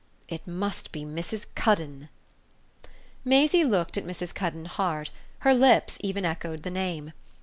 "It must be Mrs. Cuddon!" Maisie looked at Mrs. Cuddon hard her lips even echoed the name.